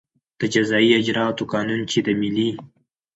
د جزایي اجراآتو قانون چې د ملي